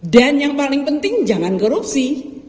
dan yang paling penting jangan korupsi